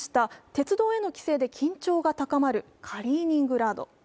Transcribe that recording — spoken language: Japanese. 鉄道への規制で緊張が高まるカリーニングラード。